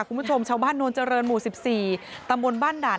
คุณผู้ชมชาวบ้านนวลเจริญหมู่๑๔ตำบลบ้านด่าน